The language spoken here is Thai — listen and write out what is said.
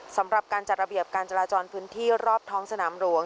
สำหรับการจัดระเบียบการจราจรพื้นที่รอบท้องสนามหลวง